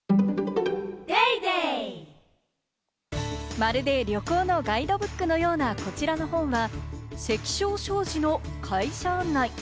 まるで旅行のガイドブックのような、こちらの本は関彰商事の会社案内。